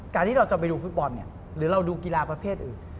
ที่เราจะไปดูฟุตบอลเนี่ยหรือเราดูกีฬาประเภทอื่น